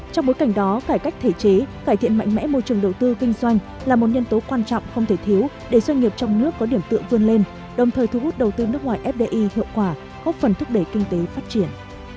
trong bối cảnh đó cải cách thể chế cải thiện mạnh mẽ môi trường đầu tư kinh doanh là một nhân tố quan trọng không thể thiếu để doanh nghiệp trong nước có điểm tựa vươn lên đồng thời thu hút đầu tư nước ngoài fdi hiệu quả hốc phần thúc đẩy kinh tế phát triển